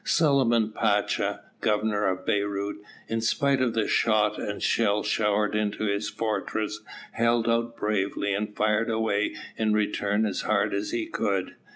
Suliman Pacha, Governor of Beyrout, in spite of the shot and shell showered into his fortress, held out bravely and fired away in return as hard as he could.